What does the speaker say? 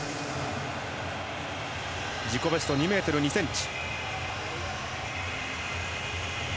自己ベスト、２ｍ２ｃｍ。